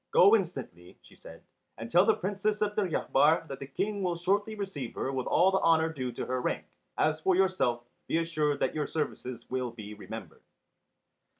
"Go instantly," she said, "and tell the Princess of Deryabar that the King will shortly receive her with all the honour due to her rank. As for yourself, be assured that your services will be remembered."